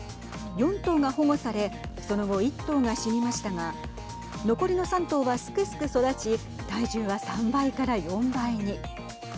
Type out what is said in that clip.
４頭が保護されその後、１頭が死にましたが残りの３頭は、すくすくと育ち体重は３倍から４倍に。